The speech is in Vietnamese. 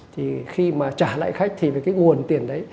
thì khi mà trả lại khách thì về cái nguồn tiền đấy